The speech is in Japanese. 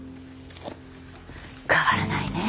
変わらないね。